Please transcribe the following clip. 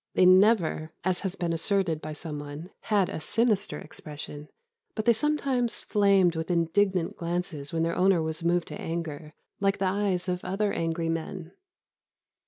They never (as has been asserted by some one) had a sinister expression, but they sometimes flamed with indignant glances when their owner was moved to anger, like the eyes of other angry men.